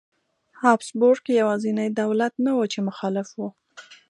هابسبورګ یوازینی دولت نه و چې مخالف و.